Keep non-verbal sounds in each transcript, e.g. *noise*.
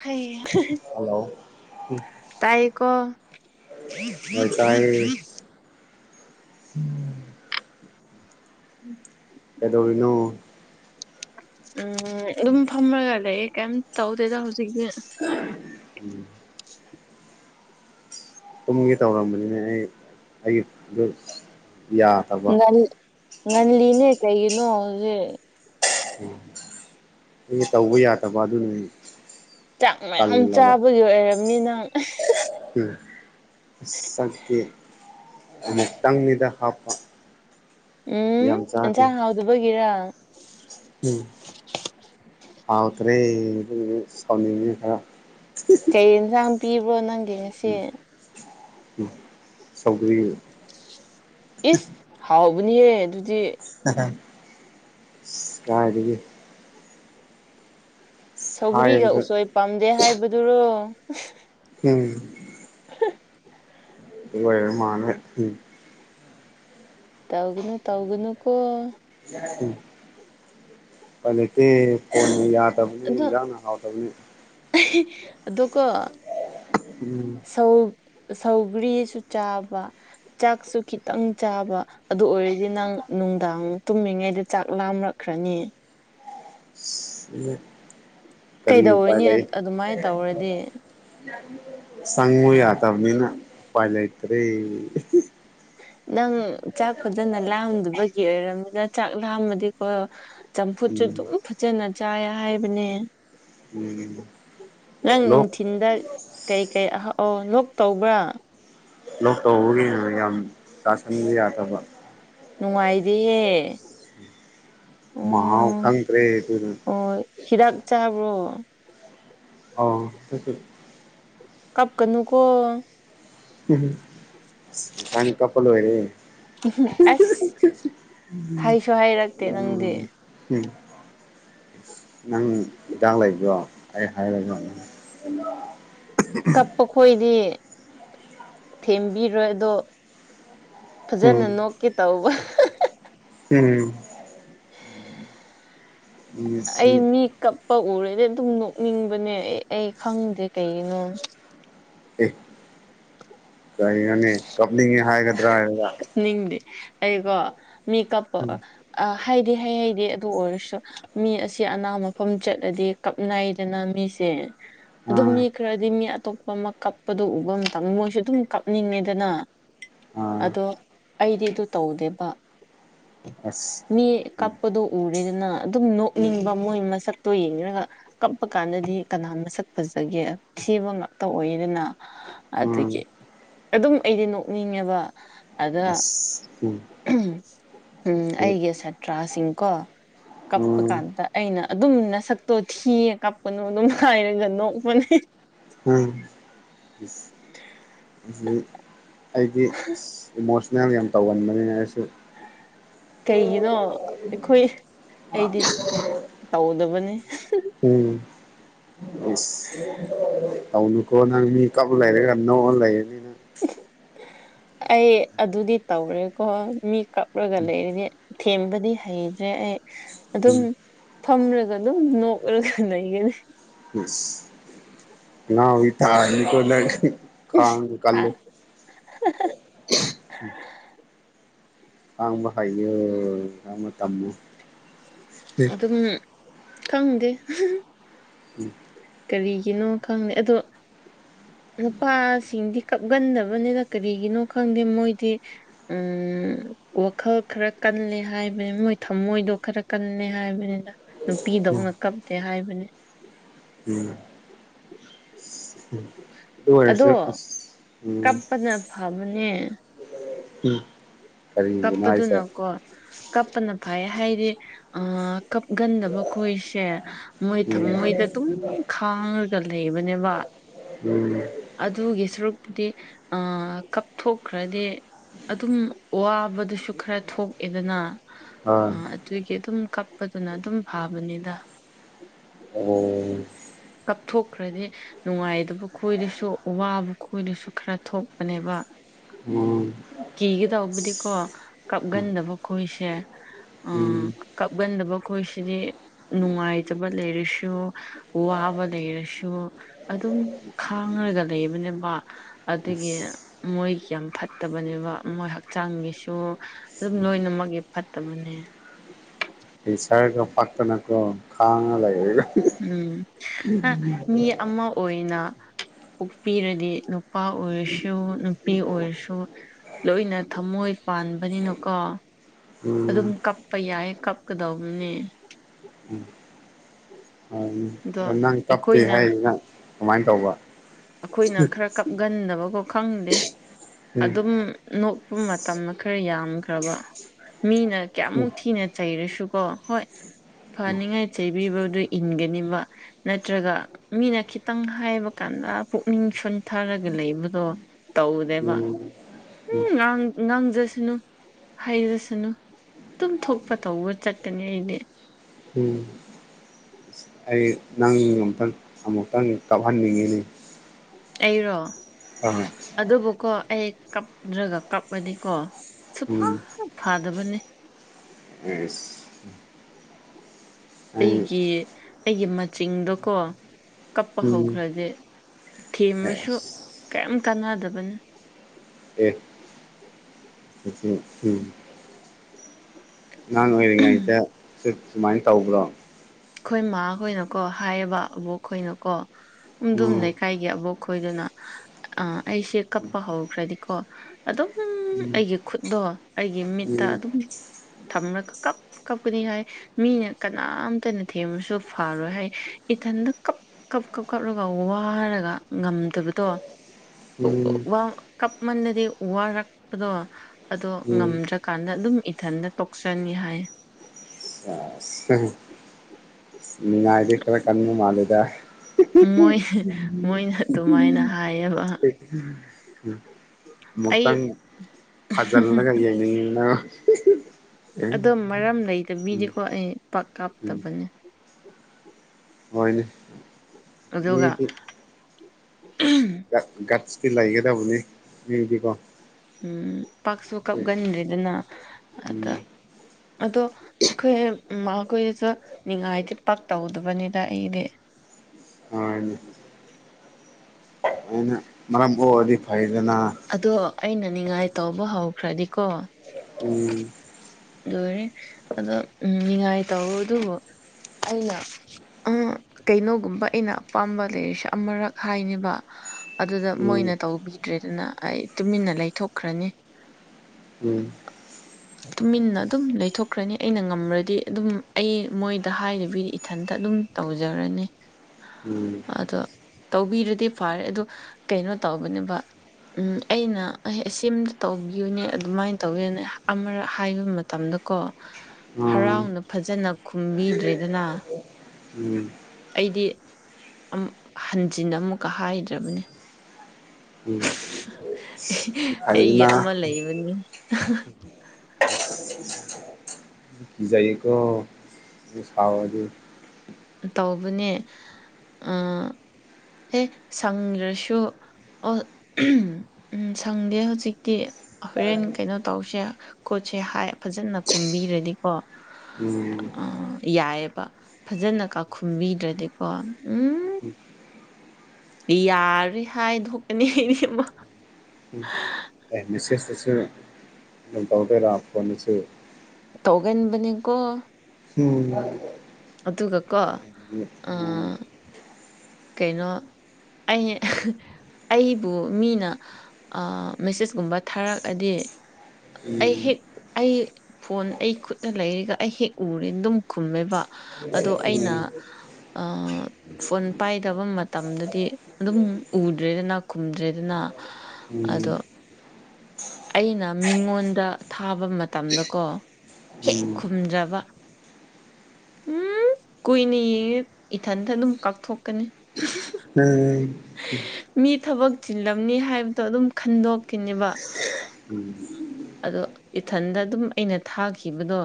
ꯍꯩ *unintelligible* ꯍꯜꯂꯣ *unintelligible* ꯇꯥꯏꯌ‌ꯦꯀꯣ ꯍꯣꯏ ꯇꯥꯔ‌ꯦ ꯎꯝ ꯀꯩꯗꯧꯔꯤꯅꯣ ꯎꯝ ꯑꯗꯨꯝ ꯐꯝꯔꯒ ꯂꯩꯌꯦ ꯀꯩꯝ ꯇꯧꯗꯦꯗ ꯍꯧꯖꯤꯛꯗꯤ *unintelligible* ꯎꯝ ꯀꯨꯝꯒ‌‌ꯦ ꯇꯧꯔꯝꯕꯅꯤꯅ‌ꯦ ꯑꯩ ꯑꯩꯗ‌ꯣ ꯌꯥ ꯉꯟ ꯉꯟꯂꯤꯅꯦ ꯀꯩꯒꯤꯅꯣ ꯍꯧꯖꯤꯛ ꯎꯝ *inaudible* ꯅ ꯇꯧꯕ ꯌꯥꯗꯕ ꯑꯗꯨꯅꯤ ꯆꯥꯛ ꯃꯌꯥꯝ ꯆꯥꯕꯒꯤ ꯑꯣꯏꯔꯝꯅꯤ ꯅꯪ ꯎꯝ ꯁꯀꯦ *unintelligible* ꯑꯥ ꯑꯑ *unintelligible* ꯑꯃꯇꯪꯅꯤꯗ ꯍꯥꯞꯄ ꯎꯝ ꯌꯥꯝ ꯆꯥꯗꯦ ꯑꯦꯟꯁꯥꯡ ꯍꯥꯎꯗꯨꯕꯒꯤꯔ ꯎꯝ ꯍꯥꯎꯠꯇ꯭ꯔꯦ ꯉꯁꯤꯗꯤ ꯁꯥꯎꯅꯤꯡꯉꯤ ꯈꯔꯥ ꯀꯩ ꯌꯦꯟꯁꯥꯡ ꯄꯤꯕ꯭ꯔꯣ ꯅꯪꯒꯤ ꯎ ꯉꯁꯤ ꯎ *unintelligible* ꯁꯥꯎꯒ꯭ꯔꯤꯌꯦ ꯏꯁ ꯍꯥꯎꯕꯅꯤꯍꯦ ꯑꯗꯨꯗꯤ ꯏꯁ ꯀꯥꯏꯗꯒꯤ ꯁꯧꯒ꯭ꯔꯤꯒ ꯍꯥꯏꯕꯗ ꯎꯁꯣꯏ ꯄꯥꯝꯗꯦ ꯍꯥꯏꯕꯗꯨꯔꯣ ꯎꯝ *unintelligible* ꯑꯗꯨ ꯑꯣꯏꯔ ꯃꯥꯜꯂ‌ꯦ ꯎꯝ ꯇꯧꯒꯅꯨ ꯇꯧꯒꯅꯨ ꯀꯣ ꯎꯝ *unintelligible* ꯍꯧꯖꯤꯛꯇꯤ ꯐꯣꯟ ꯌꯥꯗꯕꯅꯤ ꯑꯗꯨ ꯏꯖꯥꯡ ꯍꯥꯎꯗꯕꯅꯤ ꯑꯗꯨꯀꯣ ꯁꯧ ꯁꯧꯒ꯭ꯔꯤꯁꯨ ꯆꯥꯕ ꯆꯥꯛꯁꯨ ꯈꯤꯇꯪ ꯆꯥꯕ ꯑꯗꯨ ꯑꯣꯏꯔꯗꯤ ꯅꯪ ꯅꯨꯡꯗꯥꯡ ꯇꯨꯝꯃꯤꯉꯩꯗ ꯆꯥꯛ ꯂꯥꯝꯔꯛꯈ꯭ꯔꯅꯤ ꯀꯔꯤ ꯎꯄꯥꯏ ꯀꯩꯗꯧꯔꯅꯤ ꯂꯩ ꯑꯗꯨꯃꯥꯏꯅ ꯇꯧꯔꯗꯤ ꯆꯪꯉꯨ ꯌꯥꯗꯃꯤꯅ ꯎꯄꯥꯏ ꯂꯩꯏꯇꯔꯦ ꯅꯪ ꯆꯥꯛ ꯐꯖꯅ ꯂꯥꯝꯗꯕꯒꯤ ꯑꯣꯏꯔꯕꯝꯅꯤꯗ ꯆꯥꯛ ꯂꯥꯝꯃꯗꯤꯀꯣ ꯆꯝꯐꯨꯠꯁꯨ ꯎꯝ ꯑꯗꯨꯝ ꯐꯖꯅ ꯆꯥꯏ ꯍꯥꯏꯕꯅꯦ ꯎꯝ ꯅꯪ ꯂꯣꯛ ꯅꯨꯡꯊꯤꯟꯗ ꯀꯩ ꯀꯩ ꯑꯍꯥꯎ ꯂꯣꯛ ꯇꯧꯕ꯭ꯔꯥ ꯂꯣꯛ ꯇꯧꯕꯒꯤꯅ ꯌꯥꯝ ꯆꯥꯁꯟꯕ ꯌꯥꯗꯕ ꯅꯨꯡꯉꯥꯏꯗꯤꯍꯦ ꯃꯍꯥꯎ ꯈꯪꯀ꯭ꯔꯦ ꯑꯗꯨꯅ ꯑꯣ ꯍꯤꯗꯥꯛ ꯆꯥꯕ꯭ꯔꯣ ꯑꯣ ꯊꯦꯡꯀꯤ *unintelligible* ꯀꯞꯀꯅꯨꯀꯣ ꯏꯁ ꯉꯁꯥꯏꯒꯅ ꯀꯞꯄꯥ ꯂꫭꯏꯔꯦ ꯑꯁ ꯍꯥꯏꯁꯨ ꯍꯥꯏꯔꯛꯇꯦ ꯅꯪꯗꯤ ꯎꯝ ꯅꯪ ꯍꯤꯗꯥꯛ ꯂꯩꯕ꯭ꯔꯣ ꯑꯩ ꯍꯥꯏꯔꯒ ꯆꯞꯄ *unintelligible* ꯈꯣꯏꯗꯤ ꯊꯦꯝꯕꯤꯔꯣꯏ ꯑꯗꯣ ꯎꯝ ꯐꯖꯅ ꯅꯣꯛꯀꯦ ꯇꯧꯕ ꯎꯝ ꯑꯩ ꯉꯁꯤ ꯃꯤ ꯀꯞꯄ ꯎꯔꯗꯤ ꯑꯗꯨꯝ ꯅꯣꯛꯅꯤꯡꯕꯅꯦ ꯑꯩ ꯑꯩ ꯈꯪꯗꯦ ꯀꯩꯒꯤꯅꯣ ꯑꯦ *unintelligible* ꯀꯔꯤꯅꯣꯅ‌ꯦ ꯀꯞꯅꯤꯡꯉꯦ ꯍꯥꯏꯒꯗ꯭ꯔꯥ ꯍꯥꯏꯒ ꯅꯤꯡꯗꯤ ꯑꯩꯀꯣ ꯃꯤ ꯀꯞꯄ ꯍꯥꯏꯗꯤ ꯍꯥꯏꯍꯩꯗ‌ꯦ ꯑꯗꯨ ꯑꯣꯏꯔꯁꯨ ꯃꯤ ꯑꯁꯤ ꯑꯅꯥ ꯃꯐꯝ ꯆꯠꯂꯗꯤ ꯀꯞ ꯅꯥꯏꯗꯅ ꯃꯤꯁꯦ ꯑꯗꯨꯝ ꯑꯥ ꯃꯤ ꯈꯔꯗꯤ ꯃꯤ ꯑꯇꯣꯞꯄ ꯑꯃ ꯀꯞꯄꯗꯣ ꯎꯕ ꯃꯇꯝꯗ ꯃꯣꯏꯁꯨ ꯑꯗꯨꯝ ꯀꯞꯅꯤꯡꯉꯦꯗꯅ ꯑꯥ ꯑꯗꯣ ꯑꯩꯗꯤ ꯑꯗꯨ ꯇꯧꯗꯦꯕ ꯑꯁ ꯃꯤ ꯎꯝ ꯀꯞꯄꯗꯣ ꯎꯔꯦꯗꯅ ꯑꯗꯨꯝ ꯎꯝ ꯅꯣꯛꯅꯤꯡꯕ ꯃꯣꯏ ꯃꯁꯛꯇꯣ ꯌꯦꯡꯔꯒ ꯀꯞꯄ ꯀꯥꯟꯗꯗꯤ ꯀꯅꯥ ꯃꯁꯛ ꯐꯖꯒꯦ ꯁꯤꯕ ꯉꯥꯛꯇ ꯑꯣꯏꯗꯅ ꯎꯝ ꯑꯗꯨꯗꯒꯤ ꯑꯗꯨꯝ ꯑꯩꯗꯤ ꯅꯣꯛꯅꯤꯡꯉꯦꯕ ꯑꯗ ꯑꯁ ꯎꯝ ꯎꯝ ꯑꯩꯒꯤ ꯁꯥꯇ꯭ꯔꯥꯁꯤꯡꯀꯣ ꯀꯞꯄ ꯎꯝ ꯀꯥꯟꯗ ꯑꯩꯅ ꯑꯗꯨꯝ ꯅꯁꯛꯇꯣ ꯊꯤꯌꯦ ꯀꯥꯞꯄꯅꯣ ꯑꯗꯨꯝ ꯍꯥꯏꯔꯒ ꯅꯣꯛꯄꯅꯦ ꯎꯝ ꯏꯁ ꯑꯩꯗꯤ ꯏꯃꯣꯁꯅꯦꯜ ꯌꯥꯝ ꯇꯧꯒꯟꯕꯅꯤꯅ ꯑꯩꯁꯨ ꯀꯩꯒꯤꯅꯣ ꯑꯩꯈꯣꯏ ꯑꯩꯗꯤ ꯇꯧꯗꯕꯅꯤ ꯎꯝ *unintelligible* ꯇꯧꯅꯨ ꯀꯣ ꯅꯪ ꯃꯤ ꯀꯞ ꯂꯩꯔꯒ ꯅꯣꯛꯑꯥ ꯂꯩꯔꯗꯤ ꯑꯩ ꯑꯗꯨꯗꯤ ꯇꯧꯔꯦꯀꯣ ꯃꯤ ꯀꯞꯕꯒ ꯂꯩꯔꯗꯤ ꯊꯦꯝꯕꯗꯤ ꯍꯩꯇ꯭ꯔꯦ ꯑꯩ ꯑꯗꯨꯝ ꯎꯝ ꯐꯝꯔꯒ ꯑꯗꯨꯝ ꯅꯣꯛꯔꯒ ꯂꯩꯩꯒꯅꯤ ꯉꯥꯎꯕꯤ ꯇꯒꯤꯅꯤꯀꯣ ꯅꯪ ꯈꯥꯡ ꯍꯥ ꯀꯜꯂꯨ ꯉꯥꯡꯕ ꯍꯩꯌꯦ ꯉꯡꯃ ꯇꯝꯃꯣ ꯑꯗꯨꯝ ꯈꯪꯗꯦ ꯎꯝ ꯀꯔꯤꯒꯤꯅꯣ ꯈꯪꯗꯦ ꯑꯗꯣ ꯅꯨꯄꯥꯁꯤꯡꯗꯤ ꯀꯞꯒꯟꯗꯕꯅꯤꯅ ꯀꯔꯤꯒꯤꯅꯣ ꯈꯪꯗꯦ ꯃꯣꯏꯗꯤ ꯎꯝ ꯋꯥꯈꯜ ꯈꯔ ꯀꯜꯂꯦ ꯍꯥꯏꯕꯅꯦ ꯃꯣꯏ ꯊꯃꯣꯏꯗꯣ ꯈꯔ ꯀꯟꯅꯦ ꯍꯥꯏꯕꯅꯤꯗ ꯅꯨꯄꯤꯗꯧꯅ ꯀꯞꯇꯦ ꯍꯥꯏꯕꯅꯤ ꯎꯝ ꯑꯗꯨ ꯑꯗꯣ ꯑꯣꯏꯔꯁꯨ ꯀꯞꯄꯅ ꯑꯁ ꯐꯕꯅꯦ ꯎꯝ ꯎꯝ ꯀꯔꯤꯒꯤꯅꯣ ꯍꯥꯏꯁꯦ ꯀꯞꯄꯗꯨꯅꯀꯣ ꯀꯞꯄꯅ ꯐꯩ ꯌꯦ ꯍꯥꯏꯗꯤ ꯑ ꯀꯞꯒꯟꯗꯕ ꯑꯈꯣꯏꯁꯦ ꯃꯣꯏ ꯎꯝ ꯊꯃꯣꯏꯗ ꯑꯗꯨꯝ ꯈꯥꯡꯉꯒ ꯂꯩꯕꯅꯦꯕ ꯎꯝ ꯑꯗꯨꯒꯤ ꯁꯔꯨꯛꯄꯨꯗꯤ ꯑꯥ ꯀꯞꯊꯣꯛꯈ꯭ꯔꯗꯤ ꯑꯗꯨꯝ ꯋꯥꯕꯗꯨꯁꯨ ꯈꯔ ꯊꯣꯛꯑꯦꯗꯅ ꯑꯥ ꯑꯗꯨꯒꯤ ꯑꯗꯨꯝ ꯀꯞꯄꯗꯨꯅ ꯑꯗꯨꯝ ꯐꯥꯕꯅꯤꯗ ꯑꯣ ꯀꯥꯞꯊꯣꯛꯈ꯭ꯔꯗꯤ ꯅꯨꯡꯉꯥꯏꯗꯕ ꯈꯣꯏꯗꯁꯨ ꯋꯥꯕ ꯈꯣꯏꯗꯁꯨ ꯈꯔ ꯊꯣꯛꯄꯅꯦꯕ ꯎꯝ ꯀꯤꯒꯦ ꯇꯧꯕꯗꯤꯀꯣ ꯀꯞꯒꯟꯗꯕ ꯈꯣꯏꯁꯦ ꯑ ꯎꯝ ꯀꯞꯒꯟꯗꯕ ꯑꯈꯣꯏꯁꯤꯗꯤ ꯅꯨꯡꯉꯥꯏꯇꯕ ꯂꯩꯔꯁꯨ ꯋꯥꯕ ꯂꯩꯔꯁꯨ ꯑꯗꯨꯝ ꯈꯥꯡꯉꯒ ꯂꯩꯕꯅꯦꯕ ꯑꯗꯨꯒꯤ ꯑꯁ ꯃꯣꯏꯒꯤ ꯌꯥꯝ ꯐꯠꯇꯕꯅꯦꯕ ꯃꯣꯏ ꯍꯛꯆꯥꯡꯒꯤꯁꯨ ꯑꯗꯨꯝ ꯂꯣꯏꯅꯃꯛꯒꯤ ꯐꯠꯇꯕꯅꯦ ꯀꯦꯟꯁꯔꯒ ꯄꯛꯇꯅꯀꯣ ꯈꯉ ꯂꯩꯔꯒ ꯎꯝ ꯃꯤ ꯑꯃ ꯑꯣꯏꯅ ꯄꯣꯛꯄꯤꯔꯗꯤ ꯅꯨꯄꯥ ꯑꯣꯏꯔꯁꯨ ꯅꯨꯄꯤ ꯑꯣꯏꯔꯁꯨ ꯂꯣꯏꯅ ꯊꯃꯣꯏ ꯄꯥꯟꯕꯅꯤꯅꯀꯣ ꯎꯝ ꯑꯗꯨꯝ ꯀꯞꯄ ꯌꯥꯏ ꯀꯞꯀꯗꯧꯕꯅꯦ *unintelligible* ꯑꯗ ꯅꯪ ꯀꯞꯇꯦ ꯑꯩꯈꯣꯏꯅ ꯍꯥꯏꯁꯤꯅ ꯀꯃꯥꯏ ꯇꯧꯕ ꯑꯩꯈꯣꯏꯅ ꯈꯔ ꯀꯞꯒꯟꯗꯕꯀꯣ ꯈꯪꯗꯦ ꯎꯝ ꯑꯗꯨꯝ ꯅꯣꯛꯄ ꯃꯇꯝ ꯈꯔ ꯌꯥꯝꯈ꯭ꯔꯕ ꯃꯤꯅ ꯀꯌꯥꯃꯨꯛ ꯊꯤꯅ ꯆꯩꯔꯁꯨꯀꯣ ꯍꯣꯏ ꯎꯝ ꯐꯅꯤꯉꯥꯏ ꯆꯩꯕꯤꯕꯗꯨ ꯏꯟꯒꯅꯤꯕ ꯅꯠꯇ꯭ꯔꯒ ꯃꯤꯅ ꯈꯤꯇꯪ ꯍꯥꯏꯕ ꯀꯥꯟꯗ ꯄꯨꯛꯅꯤꯡ ꯁꯣꯟꯊꯔꯒ ꯂꯩꯕꯗꯣ ꯇꯧꯗꯦꯕ ꯎꯝ ꯎꯝ ꯉꯥꯡꯖꯁꯅꯨ ꯍꯥꯏꯖꯁꯅꯨ ꯑꯗꯨꯝ ꯊꯣꯛꯄ ꯇꯧꯕ ꯆꯠꯀꯅꯤ ꯑꯩꯗꯤ ꯎꯝ ꯑꯩ ꯅꯪ ꯑꯃꯨꯛꯇꯪ ꯑꯃꯨꯛꯇꯪ ꯀꯥꯞꯍꯟꯅꯤꯡꯉꯤꯅꯦ ꯑꯩꯔꯣ ꯎꯝ ꯑꯗꯨꯕꯨꯀꯣ ꯑꯩ ꯀꯞꯗ꯭ꯔꯒ ꯀꯞꯑꯗꯤꯀꯣ ꯁꯨꯐ ꯎꯝ ꯐꯥꯗꯕꯅꯦ ꯏꯁ ꯑꯩꯒꯤ ꯑꯩꯒꯤ ꯃꯆꯤꯡꯗꯣꯀꯣ ꯀꯞꯄ ꯎꯝ ꯍꯧꯈ꯭ꯔꯗꯤ ꯊꯦꯝꯕꯁꯨ ꯑꯦꯁ ꯀꯔꯤꯝ ꯀꯥꯟꯅꯗꯕꯅꯤ ꯅꯆꯤꯟ ꯊꯤꯅꯨ ꯑꯉꯥꯡ ꯑꯣꯏꯔꯤꯉꯩꯗ ꯁꯨ ꯁꯨꯃꯥꯏꯅ ꯇꯧꯕ꯭ꯔꯣ ꯑꯩꯈꯣꯏ ꯃꯥꯥꯈꯣꯏꯅꯀꯣ ꯍꯥꯏꯌꯦꯕ ꯑꯕꯣꯛ ꯈꯣꯏꯅꯀꯣ ꯑꯗꯨꯝ ꯎꯝ ꯅꯩꯈꯥꯏ ꯒꯤ ꯑꯕꯣꯛ ꯈꯣꯏꯗꯨꯅ ꯑ ꯑꯩꯁꯦ ꯀꯞꯄ ꯍꯧꯈ꯭ꯔꯗꯤꯀꯣ ꯑꯗꯨꯝ ꯎꯝ ꯑꯩꯒꯤ ꯈꯨꯠꯗꯣ ꯑꯩꯒꯤ ꯃꯤꯠꯇ ꯑꯗꯨꯝ ꯊꯝꯔꯒ ꯀꯞ ꯀꯞꯀꯅꯤ ꯍꯥꯏꯌꯦ ꯃꯤꯅ ꯀꯅꯥꯝꯇꯅ ꯊꯦꯝꯕꯁꯨ ꯐꯥꯔꯣꯏ ꯍꯥꯏ ꯏꯊꯟꯗ ꯀꯞ ꯀꯞ ꯀꯞ ꯀꯞꯔꯒ ꯋꯥꯔꯒ ꯉꯝꯗꯕꯗꯣ ꯎꯝ ꯋꯥ ꯀꯞ ꯃꯟꯅꯗꯤ ꯋꯥꯔꯛꯄꯗꯣ ꯑꯗꯣ ꯎꯝ ꯉꯝꯗ꯭ꯔꯀꯥꯟꯗ ꯑꯗꯨꯝ ꯏꯊꯟꯗ ꯇꯣꯛꯆꯅꯤ ꯍꯥꯏꯌꯦ *unintelligible* ꯅꯤꯉꯥꯏꯗꯤ ꯈꯔ ꯀꯟꯕ ꯃꯥꯜꯂꯦꯗ ꯃꯣꯏ ꯃꯣꯏꯅ ꯑꯗꯨꯃꯥꯏꯅ ꯍꯥꯏꯌꯦꯕ *unintelligible* ꯑꯩ ꯑꯃꯨꯛꯇꯪ ꯊꯥꯖꯤꯜꯂꯒ ꯌꯦꯡꯅꯤꯡꯒꯤ ꯅꯪ ꯑꯗꯣ ꯃꯔꯝ ꯂꯩꯇ ꯎꯝ ꯃꯤꯗꯤꯀꯣ ꯑꯩ ꯄꯥꯛ ꯎꯝ ꯀꯥꯞꯇꯕꯅꯦ ꯍꯣꯏꯅꯦ ꯎꯗꯨꯒ ꯃꯤꯗꯤ ꯑꯝ ꯒꯠꯁ ꯇꯤ ꯂꯩꯒꯗꯧꯕꯅꯤ ꯃꯤꯗꯤꯀꯣ ꯎꯝ ꯄꯥꯛꯁꯨ ꯀꯞꯒꯟꯗ꯭ꯔꯤꯗꯅ ꯑꯗ ꯎꯝ ꯑꯗꯣ ꯑꯩꯈꯣꯏ ꯃꯈꯈꯣꯏꯗꯁꯨ ꯅꯤꯡꯉꯥꯏꯗꯤ ꯄꯥꯛ ꯇꯧꯗꯕꯅꯤꯗ ꯑꯩꯗꯤ ꯃꯥꯅꯦ ꯃꯔꯝ ꯑꯣꯛꯑꯗꯤ ꯐꯩꯗꯅ ꯑꯗꯣ ꯑꯩꯅ ꯅꯤꯡꯉꯥꯏ ꯇꯧꯕ ꯍꯧꯈ꯭ꯔꯗꯤꯀꯣ ꯎꯝ ꯂꯣꯏꯔꯦ ꯑꯗꯣ ꯎꯝ ꯅꯤꯉꯥꯏ ꯇꯧꯕ ꯗꯨꯕꯨ ꯑꯩꯅ ꯑꯝ ꯀꯩꯅꯣꯒꯨꯝꯕ ꯑꯩꯅ ꯑꯄꯥꯝꯕ ꯂꯩꯔꯤꯁꯦ ꯑꯃꯔꯛ ꯍꯥꯏꯅꯦꯕ ꯑꯗꯨꯗ ꯃꯣꯏꯅ ꯎꯝ ꯇꯧꯕꯤꯗ꯭ꯔꯦ ꯗꯅ ꯑꯩ ꯇꯨꯃꯤꯟꯅ ꯂꯩꯊꯣꯛꯈ꯭ꯔꯅꯤ ꯎꯝ ꯇꯨꯃꯤꯟꯅ ꯑꯗꯨꯝ ꯂꯩꯊꯣꯛꯈ꯭ꯔꯅꯤ ꯑꯩꯅ ꯉꯝꯃ꯭ꯔꯗꯤ ꯑꯗꯨꯝ ꯑꯩ ꯃꯣꯏꯗ ꯍꯥꯏꯔꯤꯕꯤ ꯏꯊꯟꯇ ꯑꯗꯨꯝ ꯇꯧꯖꯔꯅꯤ ꯎꯝ ꯑꯗꯣ ꯇꯧꯕꯤꯔꯗꯤ ꯐꯔꯦ ꯑꯗꯣ ꯀꯩꯅꯣ ꯇꯧꯕꯅꯦꯕ ꯎꯝ ꯑꯩꯅ ꯑꯁꯤꯝꯗ ꯇꯧꯕꯤꯌꯨꯅꯦ ꯑꯗꯨꯃꯥꯏꯅ ꯇꯧꯋꯦꯅꯦ ꯑꯃꯔꯛ ꯍꯥꯏꯕ ꯃꯇꯝꯗꯀꯣ ꯑꯥ ꯍꯔꯥꯎꯅ ꯐꯖꯅ ꯈꯨꯝꯕꯤꯗ꯭ꯔꯦꯗꯅ ꯎꯝ ꯑꯩꯗꯤ ꯍꯟꯖꯤꯟꯅ ꯑꯃꯨꯛꯀ ꯍꯥꯏꯗ꯭ꯔꯕꯅꯦ ꯎꯝ ꯑꯩ ꯒꯤ ꯐꯩꯗꯅ ꯑꯃ ꯂꯩꯕꯅꯤ *unintelligible* ꯀꯖꯩꯌꯦꯀꯣ ꯁꯥꯎꯔꯗꯤ ꯇꯧꯕꯅꯦ ꯑꯥ ꯍꯦ ꯁꯪꯗ꯭ꯔꯁꯨ ꯑꯣ ꯎꯝ ꯁꯪꯗꯦ ꯍꯧꯖꯤꯛꯇꯤ꯫ ꯍꯣꯔꯦꯟ ꯀꯩꯅꯣ ꯇꯧꯁꯦ ꯀꯣꯠꯁꯦ ꯐꯖꯅ ꯈꯨꯝꯕꯤꯔꯗꯤꯀꯣ ꯎꯝ ꯑ ꯌꯥꯏꯌꯦꯕ ꯐꯖꯅꯀꯥ ꯈꯨꯝꯕꯤꯗ꯭ꯔꯗꯤꯀꯣ ꯎꯝ ꯌꯥꯔꯗꯤ ꯍꯥꯏ ꯙꯣꯛꯀꯅꯤ ꯑꯩꯅꯤ ꯑꯃ ꯎꯝ ꯃꯤꯁꯦꯁꯇꯁꯨ ꯗꯨꯝ ꯇꯧꯗꯣꯏꯔꯥ ꯐꯣꯟꯗꯁꯨ ꯇꯧꯒꯟꯕꯅꯦꯀꯣ ꯎꯝ ꯑꯗꯨꯒꯀꯣ ꯎꯝ ꯑ ꯀꯩꯅꯣ ꯑꯩ ꯑꯩꯕꯨ ꯃꯤꯅ ꯃꯦꯁꯦꯁꯀꯨꯝꯕ ꯊꯥꯔꯛꯑꯗꯤ ꯑꯩ ꯎꯝ ꯍꯦꯛ ꯑꯩ ꯐꯣꯟ ꯑꯩ ꯈꯨꯠꯇ ꯂꯩꯔꯤꯒ ꯑꯩ ꯍꯦꯛ ꯎꯔꯦ ꯑꯗꯨꯝ ꯈꯨꯝꯃꯦꯕ ꯑꯗꯣ ꯎꯝ ꯑꯩꯅ ꯎꯝ ꯑ ꯐꯣꯟ ꯄꯥꯏꯗꯕ ꯃꯇꯝꯗꯗꯤ ꯑꯗꯨꯝ ꯎꯗ꯭ꯔꯦꯗꯅ ꯈꯨꯝꯗ꯭ꯔꯦꯗꯅ ꯎꯝ ꯑꯗꯣ ꯑꯩꯅ ꯃꯤꯉꯣꯟꯗ ꯊꯥꯕ ꯃꯇꯝꯗꯀꯣ ꯍꯦꯛ ꯈꯨꯝꯗ꯭ꯔꯕꯥ ꯎꯝ ꯀꯨꯏꯅ ꯌꯦꯡꯉꯦ ꯏꯊꯟꯇ ꯑꯗꯨꯝ ꯀꯥꯎꯊꯣꯛꯀꯅꯤ ꯎꯝ ꯃꯤ ꯊꯕꯛ ꯆꯤꯜꯂꯝꯅꯤ ꯍꯥꯏꯕꯗꯣ ꯑꯗꯨꯝ ꯈꯟꯗꯣꯛꯈꯤꯅꯦꯕ *unintelligible* ꯑꯗꯣ ꯏꯊꯟꯗ ꯑꯗꯨꯝ ꯑꯩꯅ ꯊꯥꯈꯤꯕꯗꯣ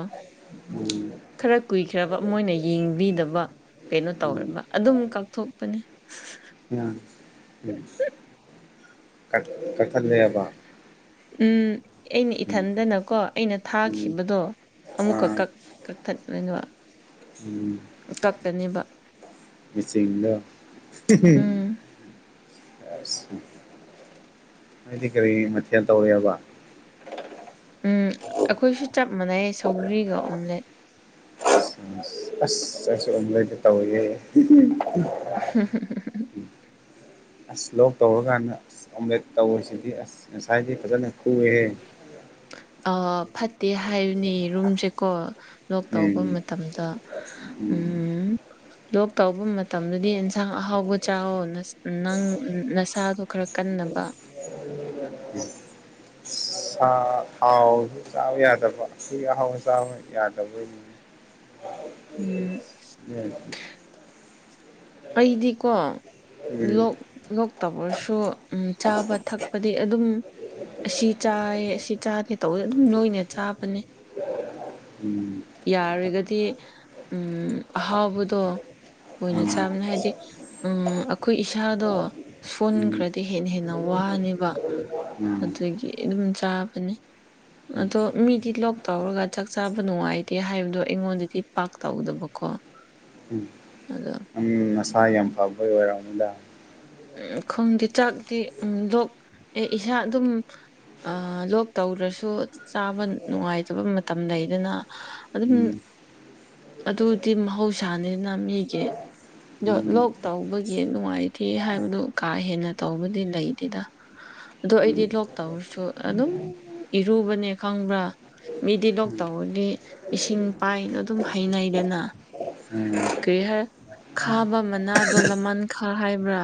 ꯎꯝ ꯈꯔ ꯀꯨꯏꯈ꯭ꯔꯕ ꯃꯣꯏꯅ ꯌꯦꯡꯕꯤꯗꯕ ꯀꯩꯅꯣ ꯇꯧꯔꯕ ꯑꯗꯨꯝ ꯀꯛꯊꯣꯛꯄꯅꯦ *unintelligible* ꯎꯝ ꯎꯝ ꯀꯛ ꯀꯛꯊꯠꯂꯦꯕ ꯎꯝ ꯑꯩꯅ ꯏꯊꯟꯗꯅꯀꯣ ꯑꯩꯅ ꯊꯥꯈꯤꯕꯗꯣ ꯑꯃꯨꯛꯀ ꯀꯛ ꯀꯛꯊꯠꯋꯅꯕ ꯀꯛꯇꯅꯦꯕ ꯃꯆꯤꯡꯗꯣ *unintelligible* ꯎꯝ ꯍꯥꯏꯗꯤ ꯀꯔꯤ ꯃꯊꯦꯜ ꯇꯧꯔꯤꯑꯕ ꯎꯝ ꯑꯈꯣꯏꯁꯨ ꯆꯞ ꯃꯥꯟꯅꯩ ꯁꯧꯒ꯭ꯔꯤꯒ ꯑꯣꯝꯂꯦꯠ *unintelligible* ꯑꯁ *unintelligible* ꯑꯣꯝꯂꯦꯠꯇ ꯇꯧꯏꯌꯦ *unintelligible* *unintelligible* ꯑꯁ ꯂꯣꯛ ꯇꯧꯔꯀꯥꯟꯗ ꯑꯁ ꯑꯣꯝꯂꯦꯠ ꯇꯧꯕꯁꯤꯗꯤ ꯑꯁ ꯉꯁꯥꯏꯗꯤ ꯐꯖꯅ ꯈꯨꯑꯦꯍꯦ ꯑ ꯐꯠꯇꯦ ꯍꯥꯏꯕꯅꯦ ꯌꯦꯔꯨꯝꯁꯦꯀꯣ ꯂꯣꯛ ꯇꯧꯕ ꯎꯝ ꯃꯇꯝꯗ ꯎꯝ ꯂꯣꯛ ꯇꯧꯕ ꯃꯇꯝꯗꯗꯤ ꯑꯦꯟꯁꯥꯡ ꯑꯍꯥꯎꯕ ꯆꯥꯋꯣ ꯅꯪ ꯅꯁꯥꯗꯣ ꯈꯔ ꯀꯟꯅꯕ *unintelligible* *inaudible* ꯁꯥ ꯍꯥꯎ ꯆꯥꯕ ꯌꯥꯗꯕ *unintelligible* ꯑꯍꯥꯎ ꯆꯥꯕ ꯌꯥꯗꯕ *unintelligible* ꯎꯝ *unintelligible* ꯑꯩꯗꯤꯀꯣ ꯂꯣꯛ ꯂꯣꯛꯇꯕ꯭ꯔꯁꯨ ꯎꯝ ꯆꯥꯕ ꯊꯛꯄꯗꯤ ꯑꯗꯨꯝ ꯑꯁꯤ ꯆꯥꯏꯌꯦ ꯑꯁꯤ ꯆꯥꯗꯦ ꯇꯧꯕꯗ ꯑꯗꯨꯝ ꯅꯣꯏꯅ ꯆꯥꯕꯅꯦ ꯎꯝ ꯌꯥꯔꯒꯗꯤ ꯎꯝ ꯑꯍꯥꯎꯕꯗꯣ ꯑꯣꯏꯅ ꯆꯥꯕꯅ‌ꯦ ꯍꯥꯏꯗꯤ ꯎꯝ ꯑꯩꯈꯣꯏ ꯏꯁꯥꯗꯣ ꯁꯣꯟ ꯎꯝ ꯈꯔꯗꯤ ꯍꯦꯟꯅ ꯍꯦꯟꯅ ꯋꯥꯅꯦꯕ ꯎꯝ ꯑꯗꯨꯒꯤ ꯑꯗꯨꯝ ꯆꯥꯕꯅꯦ ꯎꯝ ꯎꯝ ꯑꯗꯣ ꯃꯤꯗꯤ ꯂꯣꯛ ꯇꯧꯔꯒ ꯆꯥꯛ ꯆꯥꯕ ꯅꯨꯡꯉꯥꯏꯇꯦ ꯍꯥꯏꯕꯗꯣ ꯑꯩꯉꯣꯟꯗꯗꯤ ꯄꯥꯛ ꯇꯧꯗꯕꯀꯣ ꯎꯝ ꯑꯗꯣ ꯅꯪ ꯅꯁꯥ ꯌꯥꯝ ꯐꯕꯩ ꯑꯣꯏꯔꯝꯅꯤꯗ ꯎ ꯈꯪꯗꯦ ꯆꯥꯛꯇꯤ ꯎ ꯂꯣꯛ ꯑꯦ ꯏꯁꯥ ꯑꯗꯨꯝ ꯑ ꯂꯣꯛ ꯇꯧꯗ꯭ꯔꯁꯨ ꯆꯥꯕ ꯅꯨꯡꯉꯥꯏꯇꯕ ꯃꯇꯝ ꯂꯩꯗꯅ ꯑꯗꯨꯝ ꯎꯝ ꯑꯗꯨꯗꯤ ꯃꯍꯧꯁꯥꯅꯤꯅ ꯃꯤꯒꯤ ꯗꯣ ꯎꯝ ꯂꯣꯛ ꯇꯧꯕꯒꯤ ꯅꯨꯡꯉꯥꯏꯇꯦ ꯍꯥꯏꯕꯗꯨ ꯀꯥꯍꯦꯟꯅ ꯇꯧꯕꯗꯤ ꯂꯩꯇꯦꯗ ꯑꯗꯣ ꯑꯩꯗꯤ ꯂꯣꯛ ꯇꯧꯔꯁꯨ ꯑꯗꯨꯝ ꯏꯔꯨꯕꯅꯦ ꯈꯪꯕ꯭ꯔꯥ ꯃꯤꯗꯤ ꯂꯣꯛ ꯇꯧꯔꯗꯤ ꯏꯁꯤꯡ ꯄꯥꯏꯅ ꯑꯗꯨꯝ ꯍꯩꯅꯩꯗꯅ ꯎꯝ ꯎꯝ ꯀꯔꯤꯍꯥꯏ ꯈꯥꯕ ꯃꯅꯥꯗꯣ ꯂꯃꯟꯈꯥ ꯍꯥꯏꯕ꯭ꯔꯥ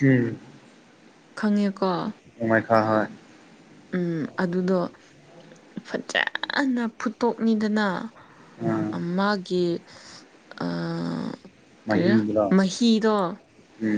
ꯎꯝ ꯈꯪꯉꯦꯀꯣ ꯅꯣꯃꯥꯏꯈꯥ ꯍꯣꯏ ꯎꯝ ꯑꯗꯨꯗꯣ ꯐꯖꯅ ꯐꯨꯠꯇꯣꯛꯅꯤꯗꯅ ꯑꯥ ꯃꯥꯒꯤ ꯑ ꯀꯔꯤꯔ ꯃꯍꯤꯗꯨꯔꯣ ꯃꯍꯤꯗꯣ ꯎꯝ